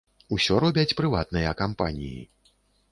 Усё робяць прыватныя кампаніі.